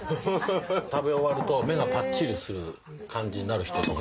食べ終わると目がぱっちりする感じになる人とか。